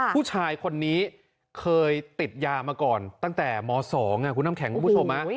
ผู้ชายคนนี้เคยติดยามาก่อนตั้งแต่ม๒คุณน้ำแข็งคุณผู้ชม